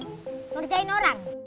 untuk menurunkan orang